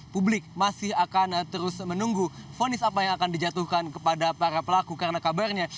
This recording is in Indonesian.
publik masih akan terus menunggu fonis apa yang akan dijatuhkan kepada para pelaku karena kabarnya